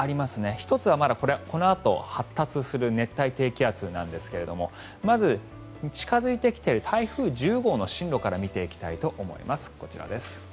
１つはこのあと発達する熱帯低気圧なんですがまず、近付いてきている台風１０号の進路から見ていきたいと思います。